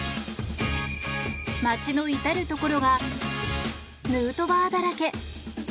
街の至るところがヌートバーだらけ。